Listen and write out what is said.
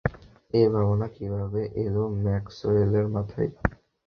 এ ভাবনা কীভাবে এলো ম্যাক্সওয়েলের মাথায়?